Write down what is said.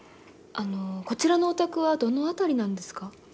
あのこちらのお宅はどの辺りなんですか？